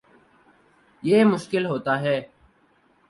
یہ مشکل ہوتا ہے